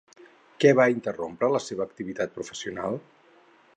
Què va interrompre la seva activitat professional?